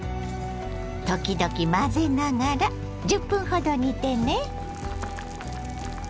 時々混ぜながら１０分ほど煮てね。